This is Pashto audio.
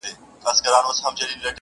په يوه څاپېړه د سلو مخ خوږېږي.